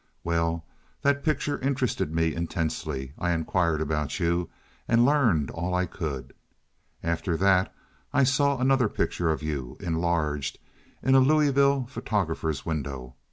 "Well, that picture interested me intensely. I inquired about you, and learned all I could. After that I saw another picture of you, enlarged, in a Louisville photographer's window.